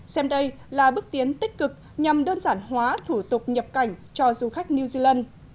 xem đây là bước tiến tích cực nhằm đơn giản hóa thủ tục nhập cảnh cho du khách new zealand